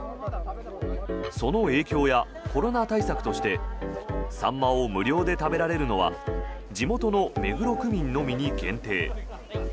その影響やコロナ対策としてサンマを無料で食べられるのは地元の目黒区民のみに限定。